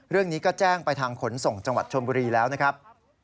เรื่องนี้ก็แจ้งไปทางขนส่งจังหวัดชนบุรีแล้วนะครับ